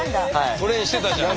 トレインしてたじゃん。